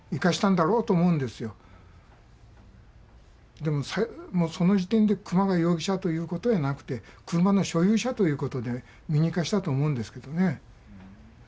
でももうその時点で久間が容疑者ということやなくて車の所有者ということで見に行かしたと思うんですけどね。